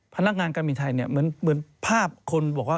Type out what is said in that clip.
นักการบินไทยเนี่ยเหมือนภาพคนบอกว่า